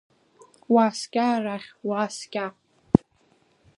Уааскьа арахь, уааскьа!